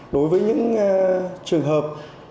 đối với những trường hợp